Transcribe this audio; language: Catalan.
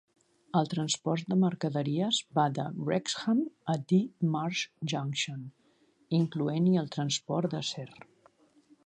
El transport de mercaderies va de Wrexham a Dee Marsh Junction, incloent-hi el transport d'acer.